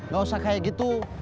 gak usah kayak gitu